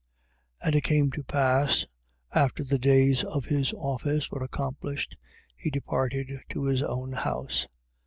1:23. And it came to pass, after the days of his office were accomplished, he departed to his own house.